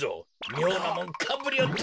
みょうなもんかぶりおって。